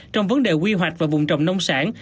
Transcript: trong vấn đề quy hoạch và vùng trồng nông sản